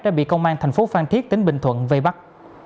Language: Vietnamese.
đã bị công an thành phố phan thiết tỉnh bình thuận vây bắt